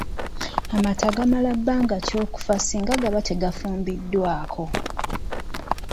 Amata gamala bbanga ki okufa singa gaba tegafumbiddwako?